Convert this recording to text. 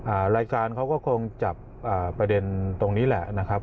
รายการเขาก็คงจับอ่าประเด็นตรงนี้แหละนะครับ